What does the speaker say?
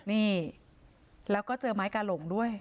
นี่แล้วก็เจอไม้กาหลงด้วย